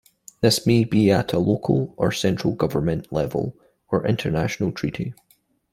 This may be at a local or central government level, or international treaty.